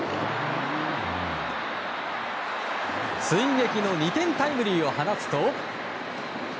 追撃の２点タイムリーを放つと。